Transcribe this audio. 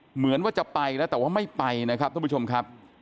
เหมือนว่าจะไปแล้วแต่ว่าไม่ไปนะครับท่านผู้ชมครับ